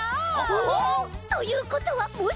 おっ！ということはもしかして？